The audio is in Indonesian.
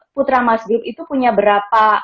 putra masjid itu punya berapa